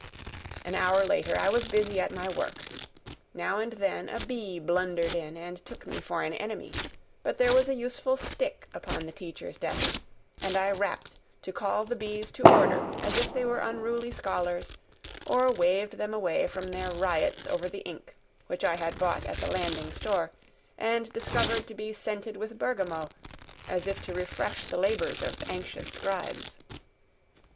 An hour later I was busy at my work. Now and then a bee blundered in and took me for an enemy; but there was a useful stick upon the teacher's desk, and I rapped to call the bees to order as if they were unruly scholars, or waved them away from their riots over the ink, which I had bought at the Landing store, and discovered to be scented with bergamot, as if to refresh the labors of anxious scribes.